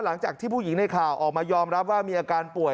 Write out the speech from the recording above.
หลังจากที่ผู้หญิงในข่าวออกมายอมรับว่ามีอาการป่วย